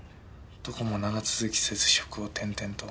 どこも長続きせず職を転々と。